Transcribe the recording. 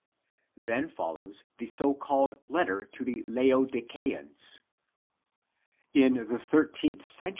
Then follows the so called letter to the Laodiceans. In the 13th cent.